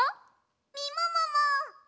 みももも！